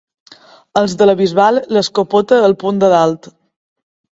Els de la Bisbal, l'escopeta al punt de dalt.